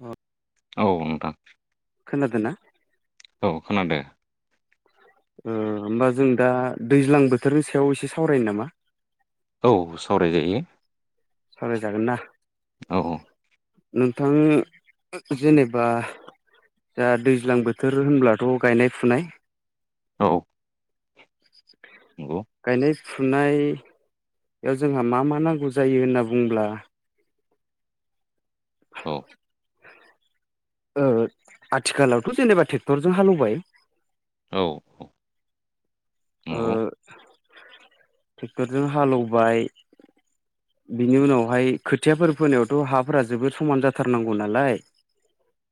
अ औ नोंथां। खोनादो ना? औ खोनादो। उम होमबा जों दा दैज्लां बोथोरनि सायाव एसे सावरायनो नामा? औ सावरायजायो। सावराय जागोनना? औ-औ। नोंथां जेनेबा दा दैज्लां बोथोर होनब्लाथ' गायनाय -फुनाय। औ नंगौ। गायनाय फुनायाव जोंहा मा -मा नांगौ जायो होनना बुंब्ला औ। औ आथिखालावथ' जेनेबा ट्रेक्टरजों हाल एवबाय। औ औ ओ नंगौ। ट्रेक्टरजों हालेवबाय बिनि उनावहाय खोथियाफोर फोनायावथ' हाफोरा जोबोद समान जाथारनांगौ नालाय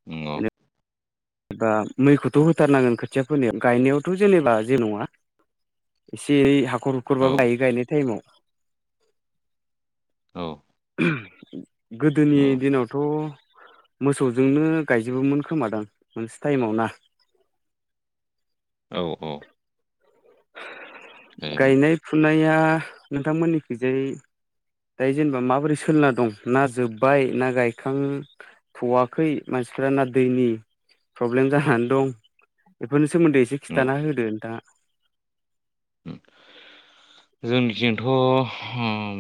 नंगौ। एबा मैखौथ' होथारनांगोन खोथिया फोनायाव गायनायावथ' जेनेबा जेबो नङा। एसेयै हाखर औ हुखरबाबो गायो गायनाय टाइमाव। औ नंगौ गोदोनि दिनावथ' मोसौजोंनो गायजोबोमोन खोमादां मोनसे टाइमाव ना? [inaudible] औ- औ। जायो गायनाय -फुनाया नोंथांमोननिखिजाय दायो जेनेबा माबोरै सोलिना दं ना जोब्बाय ना गायखांथ'वाखै मा सिफोरा ना दैनि प्रब्लेम जानानै दं बेफोरनि सोमोन्दै एसे खिन्थाना होदो नोंथाङा। औ [inaudible] जोंनिथिंथ'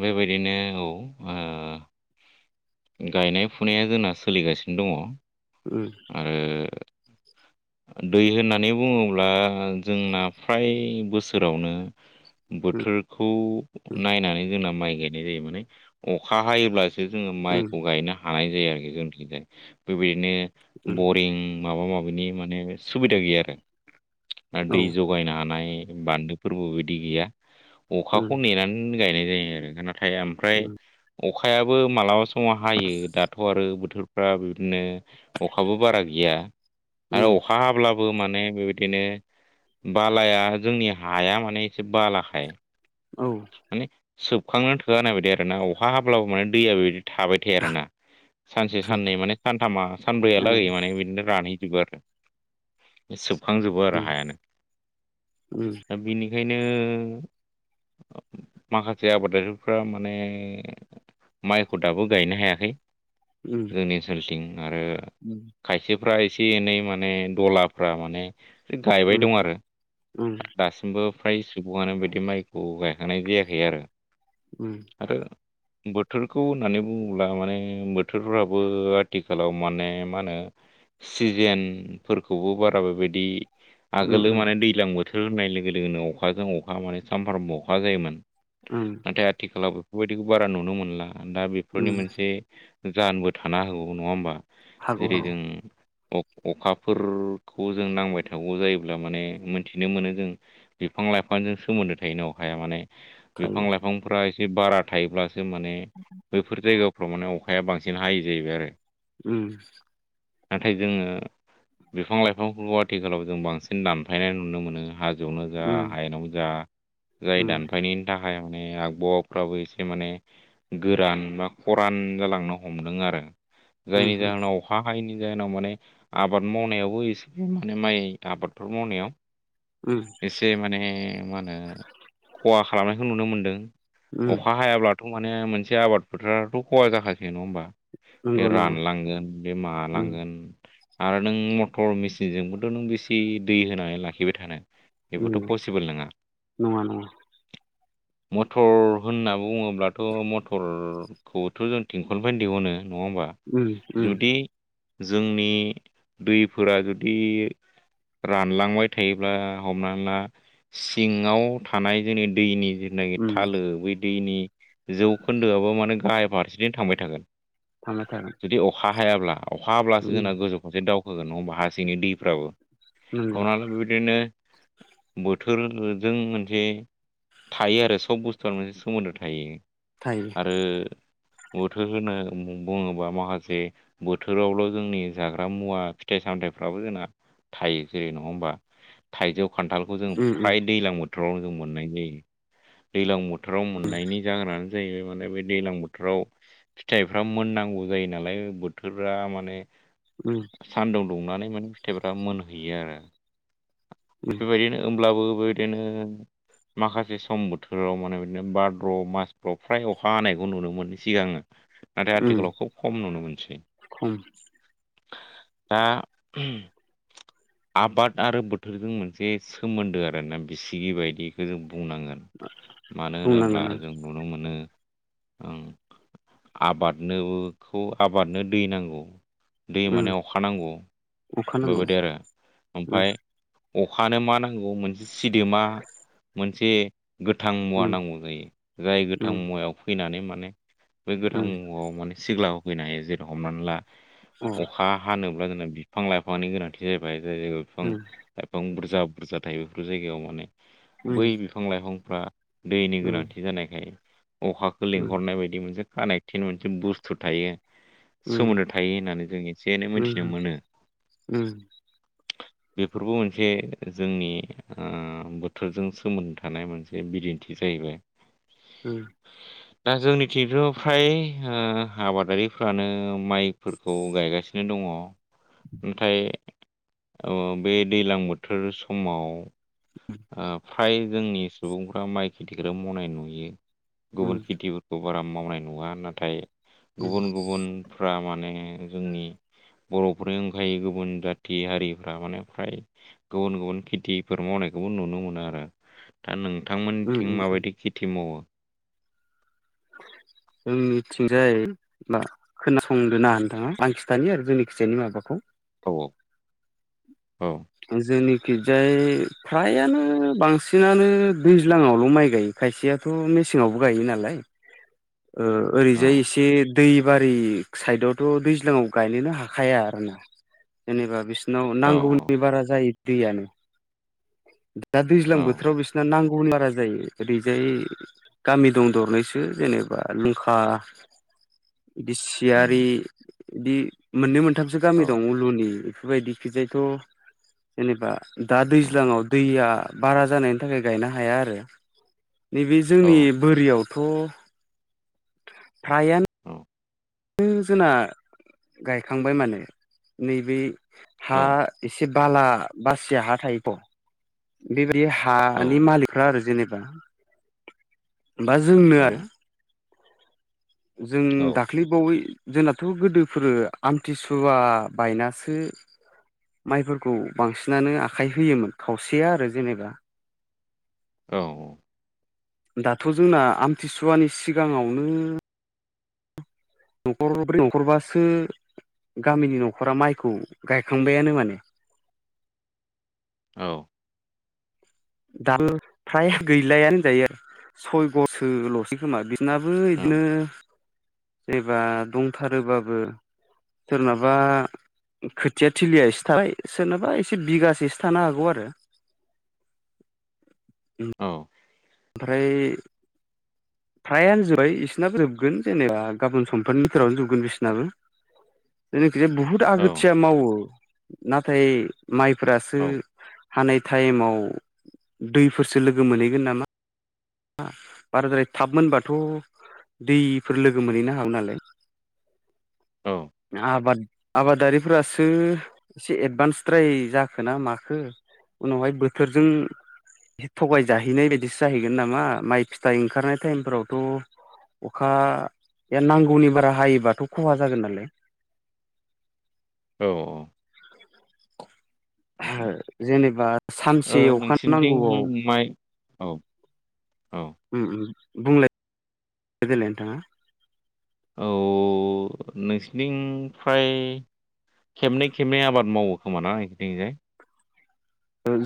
बेबायदिनो औ ओ गायनाय -फुनाया जोंना सोलिगासिनो दङ। उम आरो दै होननानै बुङोब्ला जोंना फ्राय बोसोरावनो बोथोरखौ नायनानै जोंना माइ गायनाय जायो माने अखा हायोब्ला सो जोङो उम माइखौ गायनो हानाय जायो आरोखि जोंनिथिंजाय बेबायदिनो उम बरिं माबा- माबिनि माने सुबिदा गैया आरो उम औ दै जगायनो हानाय बान्दोफोरबो दै गैया उम अखाखौ नेनानै गायनाय जायो। आरो नाथाय ओमफ्राय उम अखायाबो मालाबा समाव हायो दाथ' आरो बोथोर फ्रा बिदिनो अखाबो बारा गैया उम आरो अखा हाब्ला बो माने बेबायदिनो बालाया जोंनि हाया माने एसे बालाखाय औ माने सोबखांनो थोआ होननाय बायदि आरोना अखा हाब्लाबो माने दैया बेबायदि थाबाय थाया आरोना सानसे साननै माने सानथामा उम सानब्रैयालागै माने बिदिनो रानै जोबो आरो सेबखांजोबो आरो हायानो दा बेनि बेखायनो माखासे आबादारिफ्रा माने माइखौ दाबो गायनो हायाखै उम जोंनि ओनसोलथिं आरो खायसे फ्रा एसे एनै माने दलाफ्रा माने उम गायबाय दं आरो उम दासिमबो फ्राय सुबुङानो बिदि माइखौ गायखांनाय जायाखै आरो आरो बोथोरखौ होननानै बुङोब्ला माने बोथोरफ्राबो आथि खालाव माने मा होनो सिजेनफोरखौबो बारा बेबायदि उम आगोलोाव माने दैज्लां बोथोर होननाय लोगो लोगोनो अखाजों अखा माने सानफ्रामबो अखा जायोमोन। उम नाथाय आथिखालाव बेफोरबायदिखौ बारा नुनो मोनला दा बेफोरनि उम मोनसे जाहोनबो थानो हागौ नङा होमबा हागौ जेरै हागौ जों अखाफोरखौ जों नांबाय थागौ जायोब्ला माने मोनथिनो मोनो जों बिफां लाइफांजों सोमोन्दो थायनो अखाया माने बिफां थायो लाइफांफ्रा जि बारा थायोब्लासो माने बैफोर जायगाफ्राव माने अखाया बांसिन हायो जाहैबाय आरो ओम नाथाय जोङो बिफां लाइफांफोरखौ आथिखालाव जों बांसिन दानफायनाय नुनो मोनो हाजो जौनो जा उम हायेनावनो जा जाय उम दानफायनायनि थाखाय माने आबहावाफ्राबो एसे माने गोरान बा खरान जालांनो हमदों आरो जायनि उम जाहोनाव अखा हायैनि जाहोनाव माने आबाद मावनायावबो एसे माने माइ आबादफोर मावनायाव उम एसे माने मा होनो खहा खालामनायखौ नुनो मोनदों उम अखा हायाब्लाथ माने मोनसे आबाद फोथाराथ खहा जाखासै नङा होमबा बे नंगौ नंगौ रानलांगोन बे उम मालांगोन आरो नों मटर मेसिनजोंबोथ नों बेसे दै होनानै लाखिबाय थानो बेबोथ उम पसिबोल नङा नङा नङा मटर होनना बुङोब्लाथ मटरखौथ जों थिंखलनिफ्राय दिहुनो नङा होनबा उम उम जुदि जोंनि दैफोरा जुदि रानलांबाय थायोब्ला हमना ला सिङाव थानाय जोंनि दैनि जनाखि उम थालो बै दैनि जौखोन्दोआबो माने गाहाय फारसेथिनो थांबाय थागोन थामा थाम जुदि [unintelligible] अखा हायाब्ला अखा हाब्लासो जोंना गोजौ फारसे दावखोगोन नङा होमबा हा सिंनि दैफ्राबो नंगौ हनानानै बेबायदिनो बोथोरजों मोनसे थायो आरो सब बुस्थुआ मोनसे सोमोन्दो थायो थायो आरो बोथोर होनो बुङोबा माखासे बोथोरावल जोंनि जाग्रा मुवा फिथाइ सामथायाइफ्राबो जोंना थायो जेरै नङा होमबा थाइजौ खान्थालखौ जों उम उम फ्राय दैज्लां बोथोरावनो जों मोननाय जायो दैज्लां बोथो थोराव मोननायनि जाहोनानो जाहैबाय माने बे दैजलां बोथोराव फिथाइफ्रा मोननांगौ जायो नालाय बोथोरा माने ओम सानदुं दुंनानै माने फिथाइफ्रा मोनहैयो आरो उम बेबायदिनो होमब्लाबो बो बिदिनो माखासे सम बोथोराव माने बिदिनो भाद्र मासफ्राव फ्राय अखा हानायखौ नुनो मोनो सिगांङो नाथाय उम आथिखालाव खुब खम नुनो मोनसै खम दा आबाद आरो बोथोरजों मोनसे सोमोन्दो आरोना बिसिगि बायदिखौ जों बुंनांगोन मानो होनोब्ला बुंनांगोन आं जों नुनो मोनो ओ आबादनोखौ आबादनो दै नांगौ दै उम माने अखा नांगौ अखा नांगौ बेबायदि आरो उम ओमफाय अखानो मा नांगौ मोनसे सिदोमा मोनसे गोथां मुवा उम नांगौ जायो जाय गोथां उम मुवायाव फैनानै माने बे गोथां उम मुवायाव माने सिग्लाब होफैनो हायो जेरै हमनानै ला अ अखा हानो ब्ला जोंना बिफां -लाइफांनि गोनांथि जाहैबाय जाय जायगायाव बिफां- उम लाइफां बुर जा बुरजा थायो बेफोर जायगायाव माने बै उम बिफां लाइफांफ्रा दैनि उम गोनांथि जानायखाय अखाखौ उम लिंहरनाय बायदि मोनसे कानेक्टिन मोनसे बुस्थु थायो उम सोमोन्दो थायो होननानै जों एसे एनै मोनथिनो मोनो। बेफोरबो मोनसे जोंनि ओ बोथोरजों सोमोन्दो थानाय मोनसे बिदिन्थि जाहैबाय। ओ दा जोंनिथिं फ्राय ओ आबादारिफ्रानो माइफोरखौ गायगासिनो दङ। नाथाय औ बे दैलां बोथोर समाव ओ फ्राय जोंनि सुबुंफ्रा माइ खिथिखौनो मावनाय नुयो गुबुन उम खिथिफोरखौ बारा मावनाय नुवा नाथाय गुबुन गुबुनफ्रा माने जोंनि बर'फोर ओंखायो गुबुन जाथि हारिफ्रा माने फ्राय गुबुन- गुबुन खिथिफोर मावनाय खौबो नुनो मोनो आरो दा उम नोंथांमोनथिं उम माबायदि खिथि मावो? [unintelligible] जोंनिथिंजाय [unintelligible] खोनासंदो ना नोंथाङा आं खिथानि आरो जोंनि खिजाय माबाखौ औ औ जोंनिखिजाय फ्रायानो बांसिनानो दैज्लाङावल' माइ गायो। खायसेयाथ' मेसेङावबो गायो नालाय ओ ओरैजाय औ एसे दैबारि साइदावथ' दैज्लाङाव गायनोनो हाखाया आरोना जेनेबा बिसोर नाव औ नांगौनि बारा जायो दैयानो दा दैज्लां औ बोथोराव बिसोरना नांगौ गुबुन बारा जायो ओरैजाय गामि दं दरनैसो जेनेबा लुंखा इदि सियारि उम इदि मोननै मोनथामसो औ गामि दं उलुनि बेफोरबायदिखिजायथ' जेनेबा दा दै औ ज्लाङाव दैया बारा जानायनि थाखाय गायनो हाया आरो नैबे औ जोंनि बोरियाव थ' फ्राया औ नो जोंना गायखांबाय माने नैबे हा औ एसे बाला बासिया हा थायोथ' बेबाय दि हानि औ मालिकफ्रा आरो जेनेबा बा जोंनो आरो जों औ दाख्लैबावै जोंनाथ' गोदोफोरो आमथिसुवा बायनासो माइफोरखौ बांसिनानो आखाइ होयोमोन खावसेया आरो जेनेबा। औ -औ दाथ' जोंना आमथिसुवानि सिगाङावनो न'खर ब्रै न'खरबासो गामिनि न'खरा माइखौ गायखांबायानो माने। औ दाल फ्राय गैलायानो जायो आरो सय गरसो ल'सै खोमा। नाबो इदिनो एबा दंथारोबाबो सोरनाबा खोथिया थिलिया एसे थाबाय सोरनोबा एसे बिगासेसो थानो हागौ आरो उम ओमफ्राय फ्रायानो जोबाय इसोरनाबो जोबगोन जेनेबा गाबोन समफोरनिभिट'रावनो जोबगोन बिसोरनाबो। [unintelligible] बि बुहुद आगोथिया मावो, नाथाय माइफ्रासो हानाय टाइमाव दैफोरसो लोगो मोनहैगोन नामा। बाराद्राय थाब मोनबाथ' दैफोर लोगो मोनहैनो हागौ नालाय। औ आबाद आबादारिफोरासो एसे एडभान्सद्राय जाखो ना माखो। उनावहाय बोथोरजों थगाय जाहैनाय बायदिसो जाहैगोन नामा माइ फिथाइ ओंखारनाय टाइमफोरावथ' अखाया नांगौनि बारा हायोबाथ' खहा जागोन नालाय औ औ। ओ जेनेबा सानसे अखा नांगौआव नोंसिनिथिं माइ औ औ उम उम बुंल [unintelligible] देलाय थाङा औ नोंसिनि फ्राय खेबनै खेबनै आबाद मावो खोमा ना बिथिंजाय।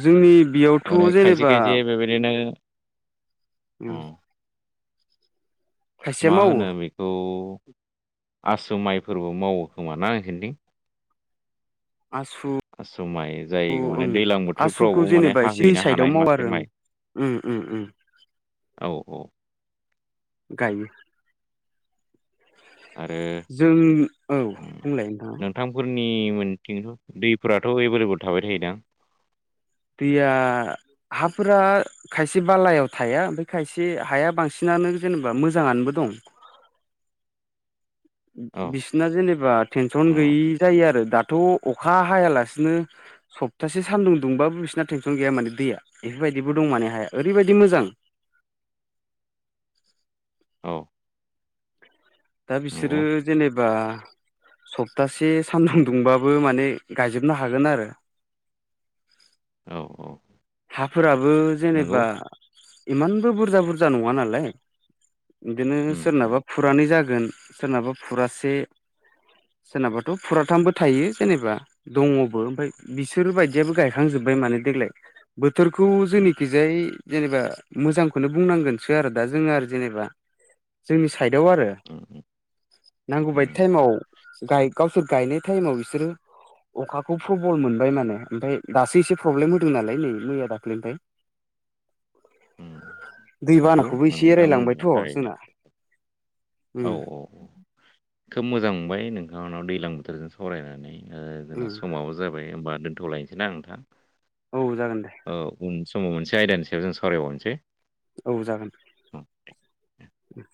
जोंनि बेयावथ' माने खायसे जेनेबा खायसे बेबायदिनो अ उम खायसेया मा मावो होनो बेखौ आसु माइफोरबो मावो खोमाना नोंसोरनि थिं। आसु माइ जाय माने ओं दैलां बोथोरफ्रावबो आसुखौ माने जेनेबा एसे हाहैनो हानाय साइदाव मावा माखासे आरो आं। माइ उम उम उम। औ औ गायो। आरो जों औ बुंलाय नोंथाङा। आंनि मोनथिनायावथ' दैफोराथ' एभेलेबेल थाबाय थायोदां। दैया हाफोरा खायसे बालायाव थाया ओमफ्राय खायसे हाया बांसिनानो जेनेबा मोजाङानोबो दं। औ बिसिना जेनेबा टेनसन औ गैयि जायो आरो दा। थ' अखा हायालासिनो सप्तासे सान्दुं दुंबाबो बिसिना टेनसन गैया माने दैया। बेफोरबाय दिबो दं मने हाया। ओरैबायदि मोजां औ दा बिसोरो नंगौ जेनेबा सप्तासे सानदाम दुंबाबो माने गायजोबनो हागोन आरो। [unintelligible] औ औ हाफोराबो नंगौ जेनेबा इमानबो बुरजा बुरजा नङा नालाय। बिदिनो उम उम सोरनाबा फुरानै जागोन सोरनाबा फुरासे सोरनाबाथ' फुराथामबो थायो जेनेबा दङबो ओमफ्राय बिसोर बायदियाबो गायखांजो बाय माने देग्लाय बोथोरखौ उम जोंनिखिजाय जेनेबा मोजांखौनो बुंनांगोनसो आरो दा जोङो आरो जेनेबा। जोंनि साइदआव आरो उम नांगौबायायदि उम टाइमाव गाय गावसोर गायनाय टाइमाव बिसोरो अखाखौ प्रबल मोनबाय माने ओमफ्राय दासो एसे प्रब्लेम होदों नालाय नै मैया दाखलिनिफ्राय उम नंगौ दैबानाखौबो एसे नोंथां एरायलांबायथ' बुंनाया थारैनो जोंना। औ उम औ खोब मोजां मोनबाय नोंथांनाव दैज्लां बोथोरजों सावरायनानै। ओ उम जोंना समाबो जाबाय होनोमबा दोन्थ'लायनोसै ना नोंथां। औ जागोन दे औ उन समाव मोनसे आयदानिसायाव जों सावरायबावनोसै। औ जागोन। औ उम